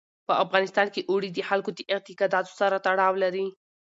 په افغانستان کې اوړي د خلکو د اعتقاداتو سره تړاو لري.